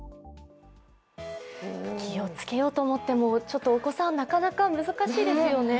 気をつけようと思ってもお子さんはなかなか難しいですよね。